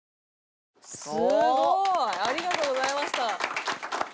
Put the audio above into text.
すごい！ありがとうございました。